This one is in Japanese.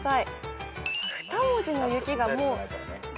２文字の雪がもう。